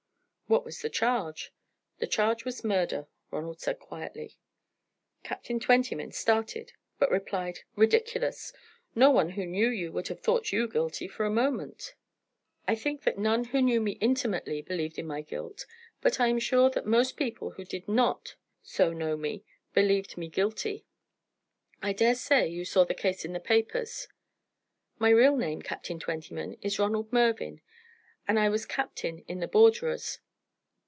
"What was the charge?" "The charge was murder," Ronald said, quietly. Captain Twentyman started, but replied: "Ridiculous. No one who knew you could have thought you guilty for a moment." "I think that none who knew me intimately believed in my guilt, but I am sure that most people who did not so know me believed me guilty. I daresay you saw the case in the papers. My real name, Captain Twentyman, is Ronald Mervyn, and I was captain in the Borderers.